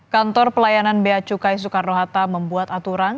kantor pelayanan bea cukai soekarno hatta membuat aturan